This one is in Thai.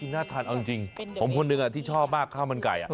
น่าทานเอาจริงผมคนหนึ่งที่ชอบมากข้าวมันไก่